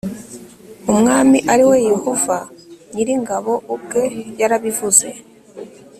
Umwami ari we Yehova nyir ingabo ubwe yarabivuze